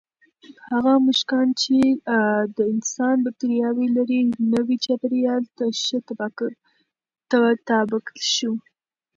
هغه موږکان چې د انسان بکتریاوې لري، نوي چاپېریال ته ښه تطابق شو.